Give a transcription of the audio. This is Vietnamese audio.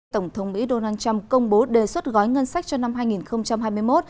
tổng thống mỹ donald trump công bố đề xuất gói ngân sách cho năm hai nghìn hai mươi một